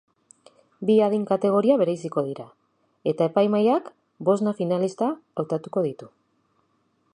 Bi adin-kategoria bereiziko dira, eta epaimahaiak bosna finalista hautatuko ditu.